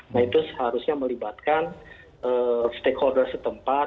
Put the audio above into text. nah itu seharusnya melibatkan stakeholder setempat